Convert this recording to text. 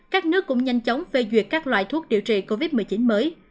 các nước cũng nhanh chóng phê duyệt các loại thuốc điều trị covid một mươi chín mới